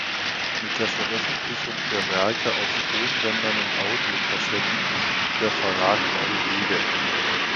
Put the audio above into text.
Mit der Veröffentlichung der Werke auf Tonbändern und Audiokassetten beschritt der Verlag neue Wege.